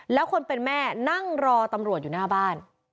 แล้วคนเป็นแม่นั่งรอตำรวจอยู่หน้าบ้าน